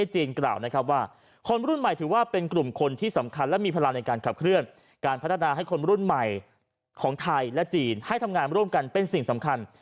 ให้คนรุ่นใหม่ของไทยและจีนให้ทำงานร่วมกันเป็นสิ่งสำคัญ